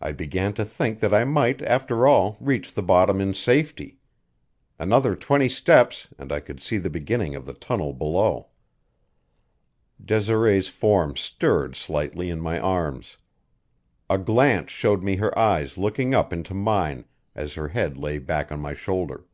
I began to think that I might, after all, reach the bottom in safety. Another twenty steps and I could see the beginning of the tunnel below. Desiree's form stirred slightly in my arms. A glance showed me her eyes looking up into mine as her head lay back on my shoulder.